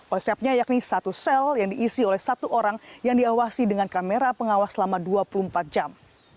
osepnya yakni satu sel yang diisi oleh satu orang yang diawasi dengan kamera pengawas selama dua puluh empat jam